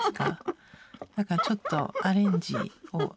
だからちょっとアレンジを。